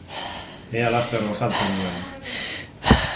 Ea laster gosaltzen duen.